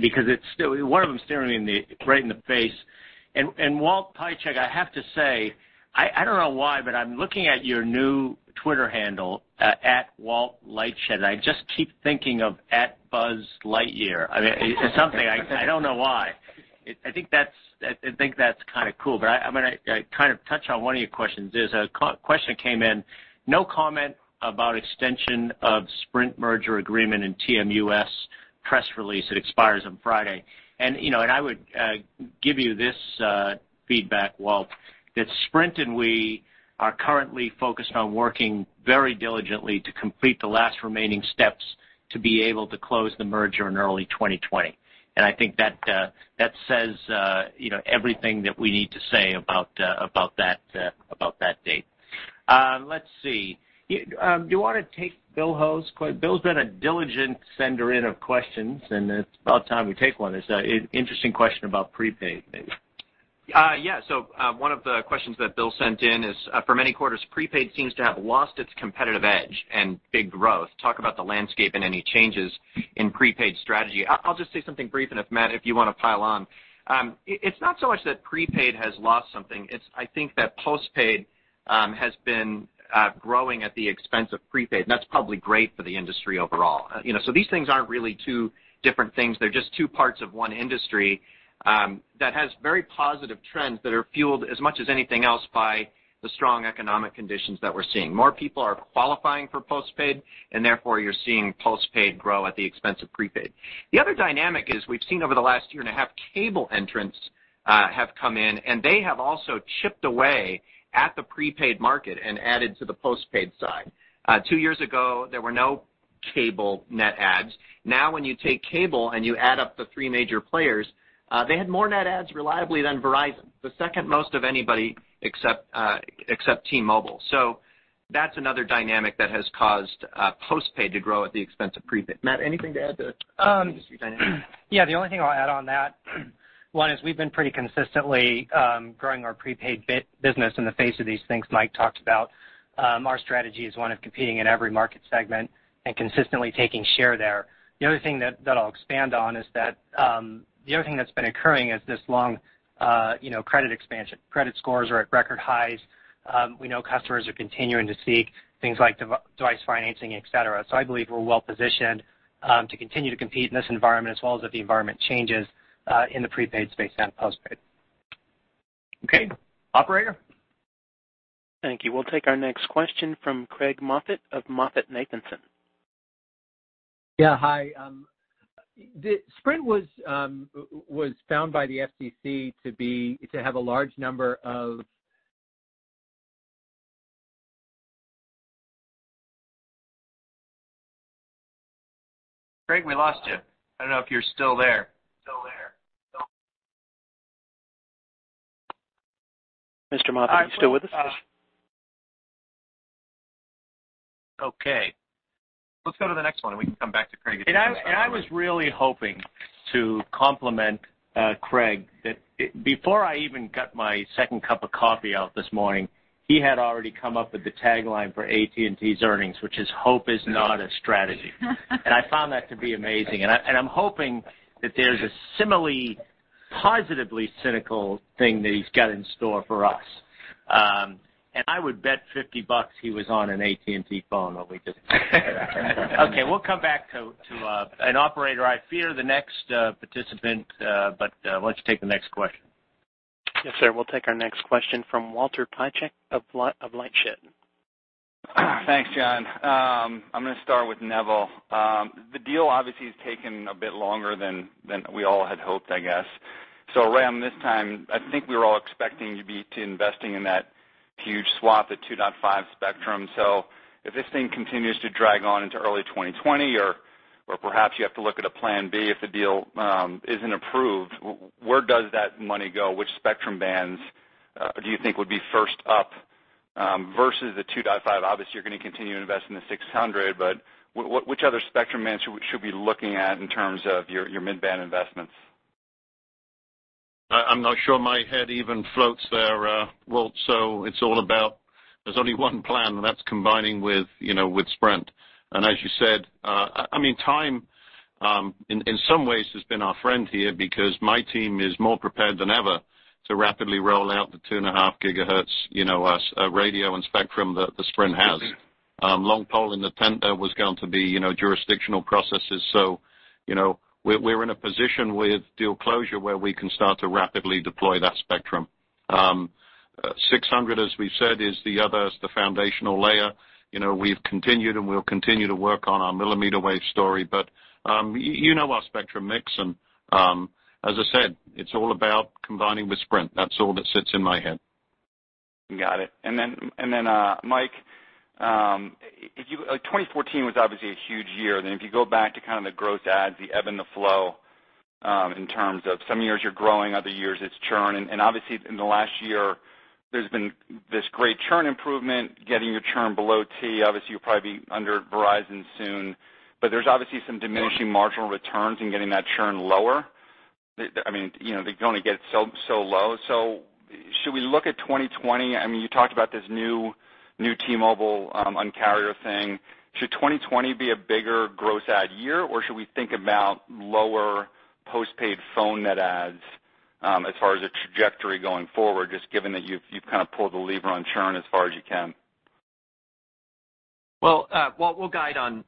because one of them is staring me right in the face. Walt Piecyk, I have to say, I don't know why, but I'm looking at your new Twitter handle, @WaltLightShed, and I just keep thinking of @buzzlightyear. It's something. I don't know why. I think that's kind of cool, but I'm going to touch on one of your questions. There's a question that came in. No comment about extension of Sprint merger agreement in TMUS press release. It expires on Friday. I would give you this feedback, Walt, that Sprint and we are currently focused on working very diligently to complete the last remaining steps to be able to close the merger in early 2020. I think that says everything that we need to say about that date. Let's see. Do you want to take Bill Ho's? Bill's been a diligent sender in of questions, It's about time we take one. It's an interesting question about prepaid. One of the questions that Bill sent in is, for many quarters, prepaid seems to have lost its competitive edge and big growth. Talk about the landscape and any changes in prepaid strategy. I'll just say something brief, and if, Matt, if you want to pile on. It's not so much that prepaid has lost something. It's, I think, that postpaid has been growing at the expense of prepaid, and that's probably great for the industry overall. These things aren't really two different things. They're just two parts of one industry that has very positive trends that are fueled as much as anything else by the strong economic conditions that we're seeing. More people are qualifying for postpaid, and therefore, you're seeing postpaid grow at the expense of prepaid. The other dynamic is we've seen over the last year and a half cable entrants have come in. They have also chipped away at the prepaid market and added to the postpaid side. Two years ago, there were no cable net adds. When you take cable and you add up the three major players, they had more net adds reliably than Verizon, the second most of anybody except T-Mobile. That's another dynamic that has caused postpaid to grow at the expense of prepaid. Matt, anything to add to the industry dynamic? Yeah, the only thing I'll add on that, one, is we've been pretty consistently growing our prepaid business in the face of these things Mike talked about. Our strategy is one of competing in every market segment and consistently taking share there. The other thing that I'll expand on is that the other thing that's been occurring is this long credit expansion. Credit scores are at record highs. We know customers are continuing to seek things like device financing, et cetera. I believe we're well-positioned to continue to compete in this environment as well as if the environment changes in the prepaid space and postpaid. Okay. Operator? Thank you. We'll take our next question from Craig Moffett of MoffettNathanson. Yeah, hi. Sprint was found by the FCC to have a large number of- Craig, we lost you. I don't know if you're still there. Mr. Moffett, are you still with us? Okay. Let's go to the next one. We can come back to Craig if he comes back online. I was really hoping to compliment Craig. Before I even got my second cup of coffee out this morning, he had already come up with the tagline for AT&T's earnings, which is, "Hope is not a strategy." I found that to be amazing, and I'm hoping that there's a similarly positively cynical thing that he's got in store for us. I would bet $50 he was on an AT&T phone when we just talked about that. Okay, we'll come back to an operator. I fear the next participant, but let's take the next question. Yes, sir. We'll take our next question from Walter Piecyk of LightShed. Thanks, John. I'm going to start with Neville. The deal obviously has taken a bit longer than we all had hoped, I guess. Around this time, I think we were all expecting you to be investing in that huge swath of 2.5 spectrum. If this thing continues to drag on into early 2020, or perhaps you have to look at a plan B if the deal isn't approved, where does that money go? Which spectrum bands do you think would be first up versus the 2.5? Obviously, you're going to continue to invest in the 600, but which other spectrum bands should we be looking at in terms of your mid-band investments? I'm not sure my head even floats there, Walt. It's all about, there's only one plan that's combining with Sprint. As you said, time, in some ways, has been our friend here because my team is more prepared than ever to rapidly roll out the 2.5 GHz radio and spectrum that Sprint has. Long pole in the tent there was going to be jurisdictional processes. We're in a position with deal closure where we can start to rapidly deploy that spectrum. 600 MHz, as we've said, is the other, is the foundational layer. We've continued and will continue to work on our millimeter wave story. You know our spectrum mix and, as I said, it's all about combining with Sprint. That's all that sits in my head. Got it. Then, Mike, 2014 was obviously a huge year. If you go back to kind of the growth adds, the ebb and the flow, in terms of some years you're growing, other years it's churn. Obviously, in the last year, there's been this great churn improvement, getting your churn below T. Obviously, you'll probably be under Verizon soon, but there's obviously some diminishing marginal returns in getting that churn lower. They can only get it so low. Should we look at 2020? You talked about this new T-Mobile Un-carrier thing. Should 2020 be a bigger gross add year, or should we think about lower postpaid phone net adds as far as a trajectory going forward, just given that you've kind of pulled the lever on churn as far as you can? Well, we'll guide on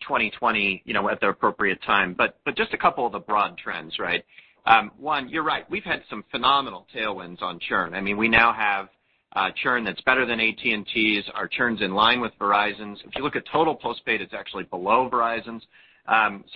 2020 at the appropriate time, just a couple of the broad trends, right? One, you're right. We've had some phenomenal tailwinds on churn. We now have churn that's better than AT&T's. Our churn's in line with Verizon's. If you look at total postpaid, it's actually below Verizon's.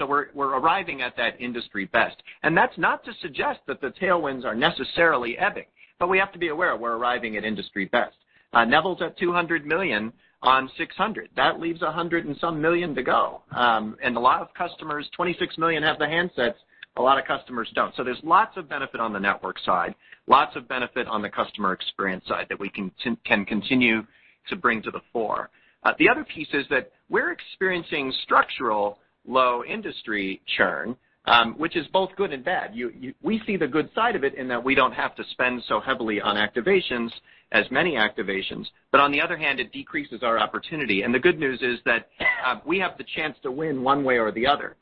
We're arriving at that industry best, that's not to suggest that the tailwinds are necessarily ebbing, we have to be aware we're arriving at industry best. Neville's at 200 million on 600. That leaves 100 and some million to go. A lot of customers, 26 million, have the handsets, a lot of customers don't. There's lots of benefit on the network side, lots of benefit on the customer experience side that we can continue to bring to the fore. The other piece is that we're experiencing structural low industry churn, which is both good and bad. We see the good side of it in that we don't have to spend so heavily on activations as many activations, but on the other hand, it decreases our opportunity. The good news is that we have the chance to win one way or the other.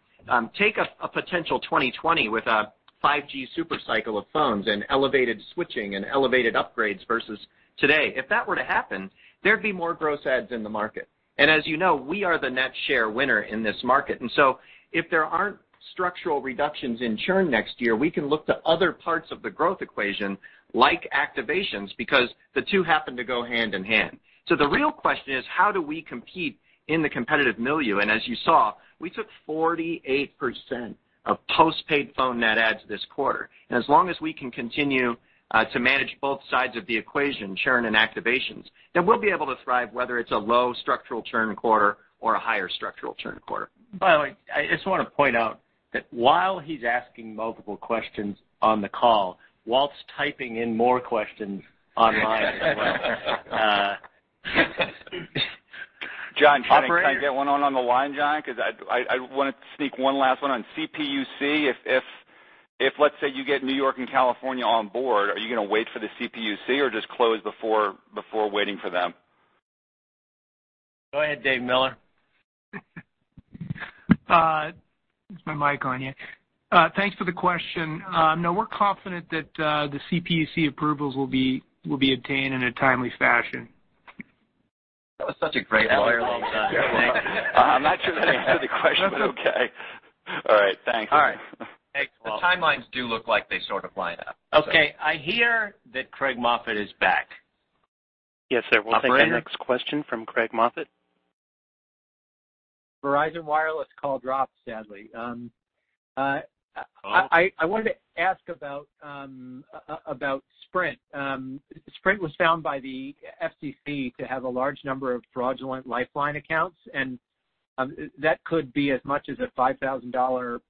Take a potential 2020 with a 5G super cycle of phones and elevated switching and elevated upgrades versus today. If that were to happen, there'd be more gross adds in the market. As you know, we are the net share winner in this market. If there aren't structural reductions in churn next year, we can look to other parts of the growth equation, like activations, because the two happen to go hand in hand. The real question is: how do we compete in the competitive milieu? As you saw, we took 48% of postpaid phone net adds this quarter. As long as we can continue to manage both sides of the equation, churn and activations, then we'll be able to thrive, whether it's a low structural churn quarter or a higher structural churn quarter. By the way, I just want to point out that while he's asking multiple questions on the call, Walt's typing in more questions online as well. John, can I get one on the line, John? I wanted to sneak one last one on CPUC. If, let's say, you get New York and California on board, are you going to wait for the CPUC or just close before waiting for them? Go ahead, David Miller. Is my mic on? Yeah. Thanks for the question. No, we're confident that the CPUC approvals will be obtained in a timely fashion. That was such a great lawyer hold time. I'm not sure that answered the question, but okay. All right. Thanks. All right. Thanks. Well- The timelines do look like they sort of line up. Okay. I hear that Craig Moffett is back. Yes, sir. Operator. We'll take our next question from Craig Moffett. Verizon Wireless call dropped, sadly. I wanted to ask about Sprint. Sprint was found by the FCC to have a large number of fraudulent Lifeline accounts, and that could be as much as a $5,000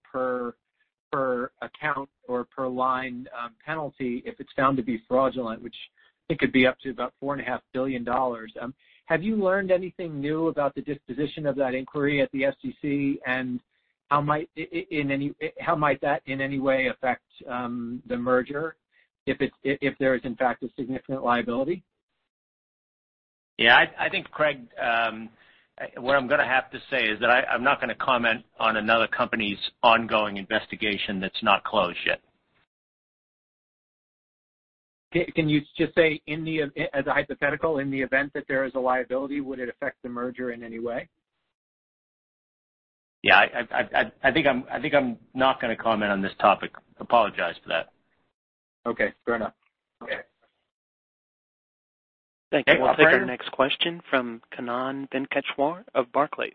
per account or per line penalty if it's found to be fraudulent, which I think could be up to about $4.5 billion. Have you learned anything new about the disposition of that inquiry at the FCC, and how might that in any way affect the merger if there is, in fact, a significant liability? I think, Craig, what I'm going to have to say is that I'm not going to comment on another company's ongoing investigation that's not closed yet. Can you just say, as a hypothetical, in the event that there is a liability, would it affect the merger in any way? Yeah. I think I'm not going to comment on this topic. Apologize for that. Okay. Fair enough. Okay. Thank you. Hey, operator. We'll take our next question from Kannan Venkateshwar of Barclays.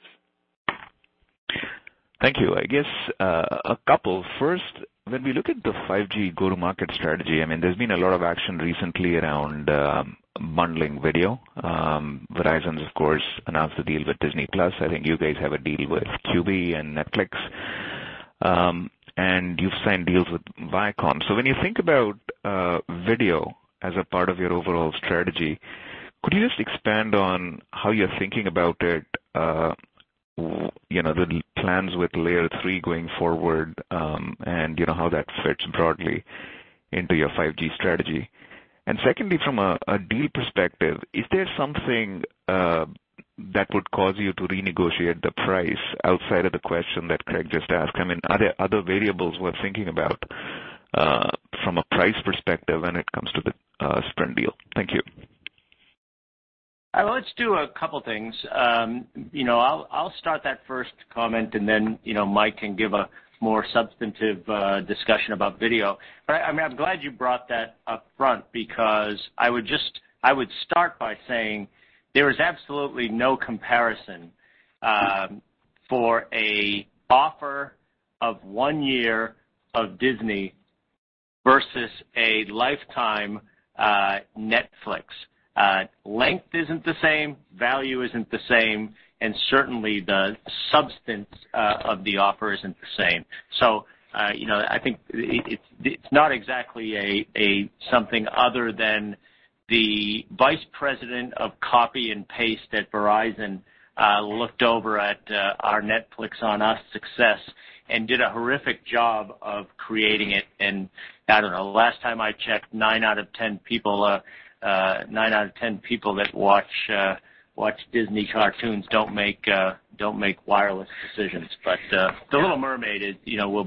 Thank you. I guess, a couple. First, when we look at the 5G-go-to-market strategy, there's been a lot of action recently around bundling video. Verizon, of course, announced a deal with Disney+. I think you guys have a deal with Quibi and Netflix. You've signed deals with Viacom. When you think about video as a part of your overall strategy, could you just expand on how you're thinking about it, the plans with Layer3 going forward, and how that fits broadly into your 5G strategy? Secondly, from a deal perspective, is there something that would cause you to renegotiate the price outside of the question that Craig just asked? Are there other variables worth thinking about from a price perspective when it comes to the Sprint deal? Thank you. Let's do a couple things. I'll start that first comment, and then Mike can give a more substantive discussion about video. I'm glad you brought that up front because I would start by saying there is absolutely no comparison for an offer of one year of Disney versus a lifetime Netflix. Length isn't the same, value isn't the same, and certainly the substance of the offer isn't the same. I think it's not exactly something other than the vice president of copy and paste at Verizon looked over at our Netflix On Us success and did a horrific job of creating it. I don't know, last time I checked, nine out of 10 people that watch Disney cartoons don't make wireless decisions. The Little Mermaid will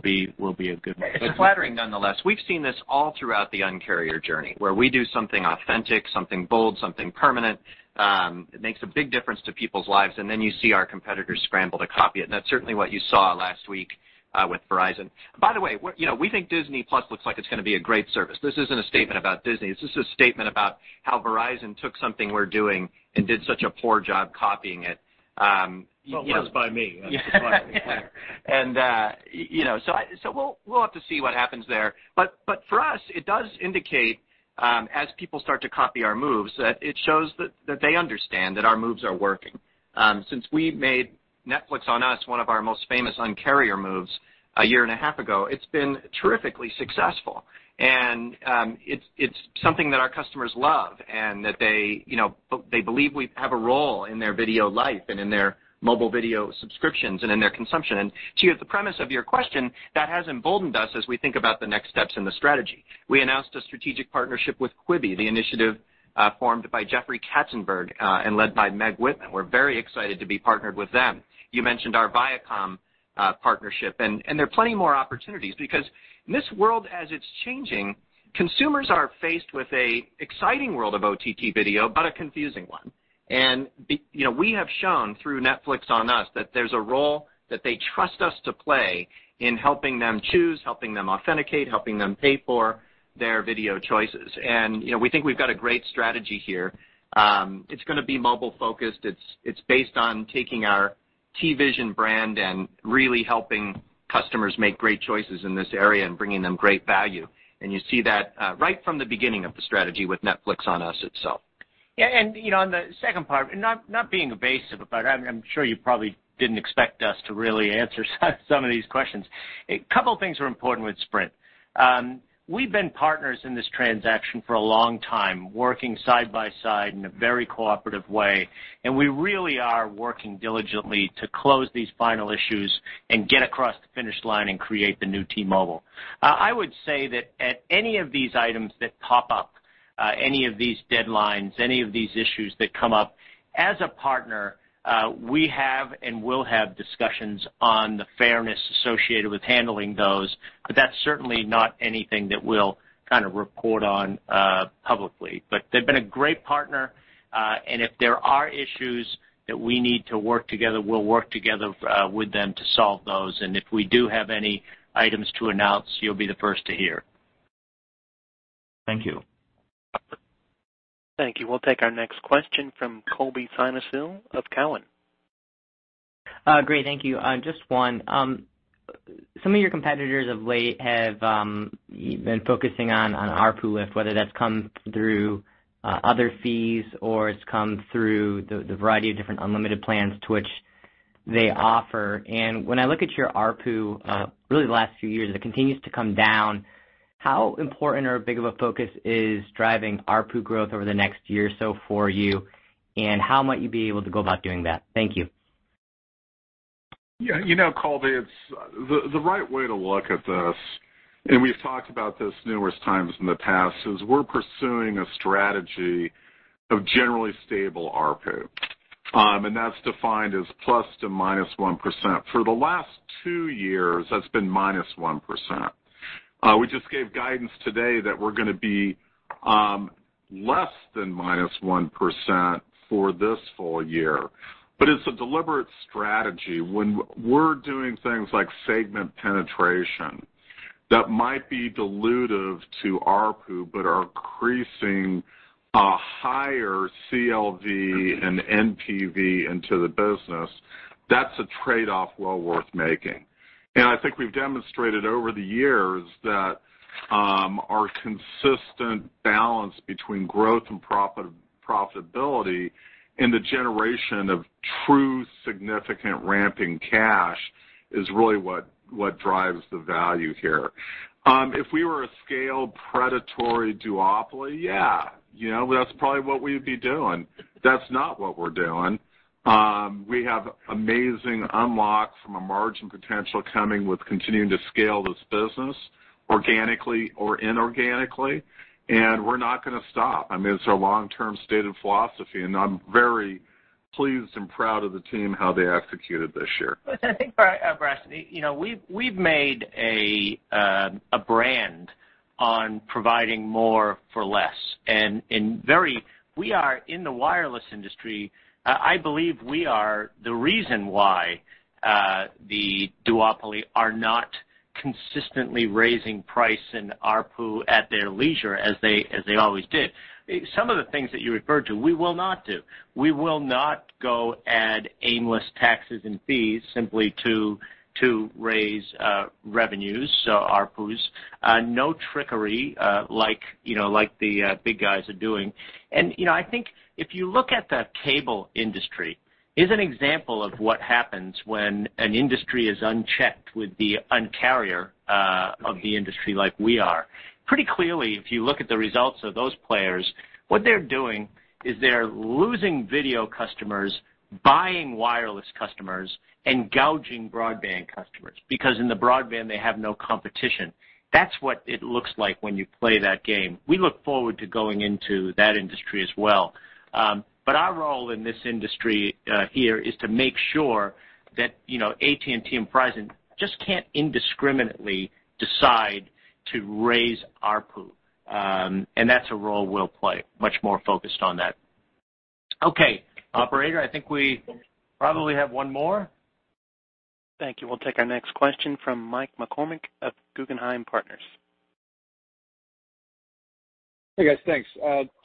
be a good one. It's flattering nonetheless. We've seen this all throughout the Un-carrier journey, where we do something authentic, something bold, something permanent. It makes a big difference to people's lives, and then you see our competitors scramble to copy it, and that's certainly what you saw last week with Verizon. By the way, we think Disney+ looks like it's going to be a great service. This isn't a statement about Disney. This is a statement about how Verizon took something we're doing and did such a poor job copying it. Well, it was by me. We'll have to see what happens there. For us, it does indicate, as people start to copy our moves, that it shows that they understand that our moves are working. Since we made Netflix On Us one of our most famous Un-carrier moves a year and a half ago, it's been terrifically successful. It's something that our customers love and that they believe we have a role in their video life and in their mobile video subscriptions and in their consumption. To the premise of your question, that has emboldened us as we think about the next steps in the strategy. We announced a strategic partnership with Quibi, the initiative formed by Jeffrey Katzenberg, and led by Meg Whitman. We're very excited to be partnered with them. You mentioned our Viacom partnership. There are plenty more opportunities because in this world, as it's changing, consumers are faced with a exciting world of OTT video, but a confusing one. We have shown through Netflix On Us that there's a role that they trust us to play in helping them choose, helping them authenticate, helping them pay for their video choices. We think we've got a great strategy here. It's going to be mobile-focused. It's based on taking our TVision brand and really helping customers make great choices in this area and bringing them great value. You see that right from the beginning of the strategy with Netflix On Us itself. Yeah, on the second part, not being evasive, I'm sure you probably didn't expect us to really answer some of these questions. A couple of things are important with Sprint. We've been partners in this transaction for a long time, working side by side in a very cooperative way. We really are working diligently to close these final issues and get across the finish line and create the new T-Mobile. I would say that at any of these items that pop up, any of these deadlines, any of these issues that come up, as a partner, we have and will have discussions on the fairness associated with handling those. That's certainly not anything that we'll report on publicly. They've been a great partner. If there are issues that we need to work together, we'll work together with them to solve those. If we do have any items to announce, you'll be the first to hear. Thank you. Thank you. We'll take our next question from Colby Synesael of Cowen. Great. Thank you. Just one. Some of your competitors of late have been focusing on ARPU lift, whether that's come through other fees or it's come through the variety of different unlimited plans to which they offer. When I look at your ARPU, really the last few years, it continues to come down. How important or big of a focus is driving ARPU growth over the next year or so for you, and how might you be able to go about doing that? Thank you. Yeah. Colby, the right way to look at this, we've talked about this numerous times in the past, is we're pursuing a strategy of generally stable ARPU, that's defined as plus to minus 1%. For the last two years, that's been minus 1%. We just gave guidance today that we're going to be less than minus 1% for this full year. It's a deliberate strategy. When we're doing things like segment penetration that might be dilutive to ARPU, but are increasing a higher CLV and NPV into the business, that's a trade-off well worth making. I think we've demonstrated over the years that our consistent balance between growth and profitability, and the generation of true significant ramping cash is really what drives the value here. If we were a scaled, predatory duopoly, yeah, that's probably what we'd be doing. That's not what we're doing. We have amazing unlocks from a margin potential coming with continuing to scale this business organically or inorganically, and we're not going to stop. I mean, it's our long-term stated philosophy, and I'm very pleased and proud of the team, how they executed this year. I think, Brett, we've made a brand on providing more for less and we are in the wireless industry. I believe we are the reason why the duopoly are not consistently raising price and ARPU at their leisure as they always did. Some of the things that you referred to, we will not do. We will not go add aimless taxes and fees simply to raise revenues, so ARPUs. No trickery like the big guys are doing. I think if you look at the cable industry, is an example of what happens when an industry is unchecked with the Un-carrier of the industry like we are. Pretty clearly, if you look at the results of those players, what they're doing is they're losing video customers, buying wireless customers, and gouging broadband customers, because in the broadband, they have no competition. That's what it looks like when you play that game. We look forward to going into that industry as well. Our role in this industry here is to make sure that AT&T and Verizon just can't indiscriminately decide to raise ARPU. That's a role we'll play, much more focused on that. Okay. Operator, I think we probably have one more. Thank you. We'll take our next question from Michael McCormack of Guggenheim Partners. Hey, guys. Thanks.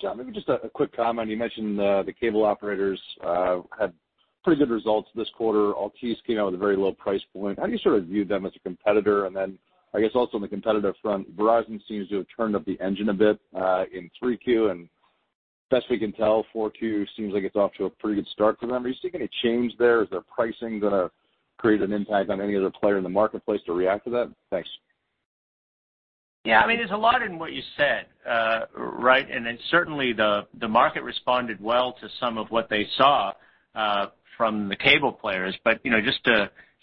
John, maybe just a quick comment. You mentioned the cable operators had pretty good results this quarter. Altice came out with a very low price point. How do you sort of view them as a competitor? Then I guess also on the competitive front, Verizon seems to have turned up the engine a bit, in 3Q, and best we can tell, 4Q seems like it's off to a pretty good start for them. Are you seeing any change there? Is their pricing going to create an impact on any other player in the marketplace to react to that? Thanks. Yeah. I mean, there's a lot in what you said, right? Certainly, the market responded well to some of what they saw from the cable players.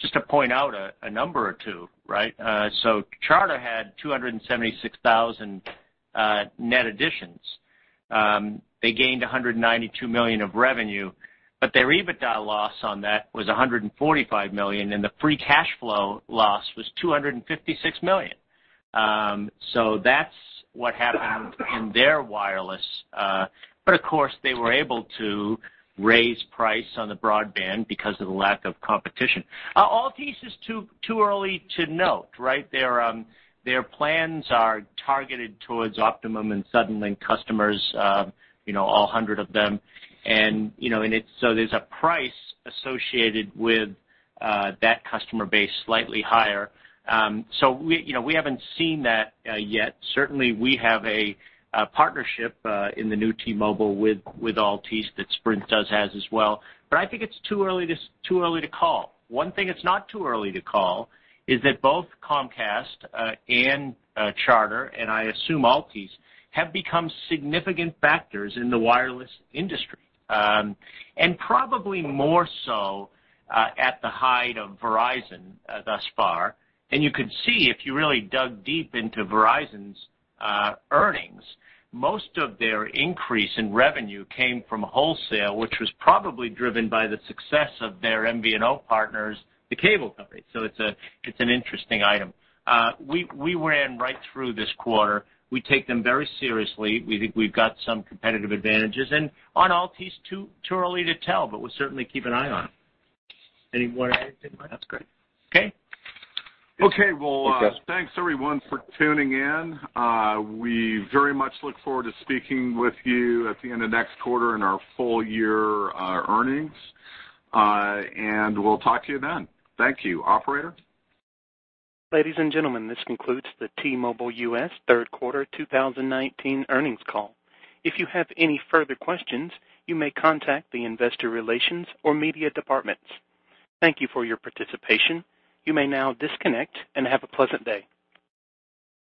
Just to point out a number or two, right? Charter had 276,000 net additions. They gained $192 million of revenue, but their EBITDA loss on that was $145 million, and the free cash flow loss was $256 million. That's what happened in their wireless. Of course, they were able to raise price on the broadband because of the lack of competition. Altice is too early to note, right? Their plans are targeted towards Optimum and Suddenlink customers, all 100 of them. There's a price associated with that customer base, slightly higher. We haven't seen that yet. Certainly, we have a partnership in the new T-Mobile with Altice that Sprint does have as well. I think it's too early to call. One thing it's not too early to call is that both Comcast and Charter, and I assume Altice, have become significant factors in the wireless industry. Probably more so at the height of Verizon thus far. You could see, if you really dug deep into Verizon's earnings, most of their increase in revenue came from wholesale, which was probably driven by the success of their MVNO partners, the cable company. It's an interesting item. We ran right through this quarter. We take them very seriously. We think we've got some competitive advantages. On Altice, too early to tell, but we'll certainly keep an eye on it. Any more? That's great. Okay. Okay. Well, thanks everyone for tuning in. We very much look forward to speaking with you at the end of next quarter in our full-year earnings. We'll talk to you then. Thank you. Operator? Ladies and gentlemen, this concludes the T-Mobile US third quarter 2019 earnings call. If you have any further questions, you may contact the investor relations or media departments. Thank you for your participation. You may now disconnect and have a pleasant day.